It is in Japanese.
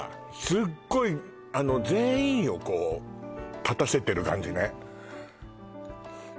すっごい全員をこう立たせてる感じね